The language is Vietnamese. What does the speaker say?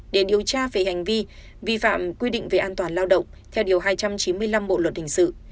để điều tra về hành vi vi phạm quy định về an toàn lao động theo điều hai trăm chín mươi năm bộ luật hình sự